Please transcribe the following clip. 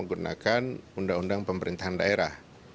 undang pemerintahan daerah